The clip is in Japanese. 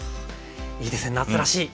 いいですね夏らしい！